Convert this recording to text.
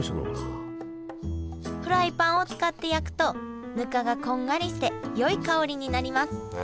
フライパンを使って焼くとぬかがこんがりしてよい香りになります